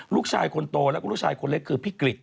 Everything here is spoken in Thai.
ลูกชายคนโตแล้วก็ลูกชายคนเล็กคือพี่กริจ